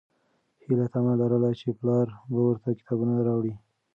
هیلې تمه لرله چې پلار به ورته کتابونه راوړي.